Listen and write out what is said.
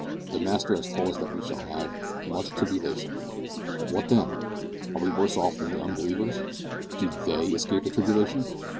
The Master has told us that we shall have "much tribulation." What then? Are we worse off than the unbelievers? Do they escape the tribulation?